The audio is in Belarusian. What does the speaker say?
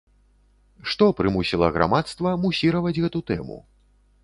Што прымусіла грамадства мусіраваць гэту тэму?